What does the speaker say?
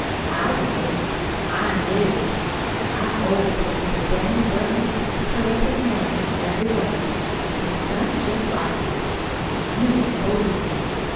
"I would. I KNEW. An' I always told you that Daniel Burton was a superlative man in every way, an' his son's jest like him. Only you wouldn't believe me."